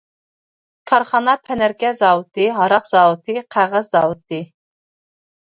كارخانا پەنەركە زاۋۇتى، ھاراق زاۋۇتى، قەغەز زاۋۇتى.